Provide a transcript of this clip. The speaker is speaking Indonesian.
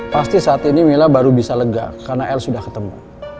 pasti saat ini mila baru bisa lega karena l sudah ketemu